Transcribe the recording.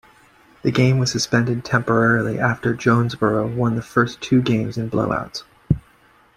The game was suspended temporarily after Jonesboro won the first two games in blowouts.